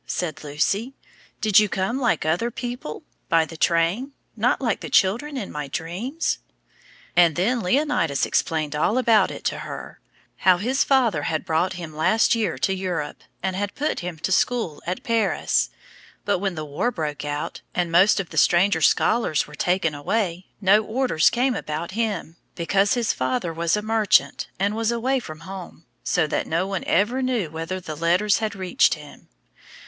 said Lucy; "did you come like other people, by the train, not like the children in my dreams?" And then Leonidas explained all about it to her: how his father had brought him last year to Europe and had put him to school at Paris; but when the war broke out, and most of the stranger scholars were taken away, no orders came about him, because his father was a merchant and was away from home, so that no one ever knew whether the letters had reached him.